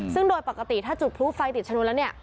ซึ่งโดยปกติถ้าจุดพลุไฟติดชนวนแล้วเนี่ย